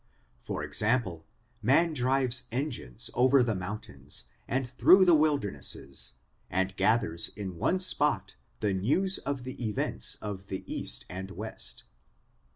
For example, man drives engines over the mountains and through the wilder nesses, and gathers in one spot the news of the events of the East and West.